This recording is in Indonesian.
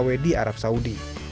pemilik pkw di arab saudi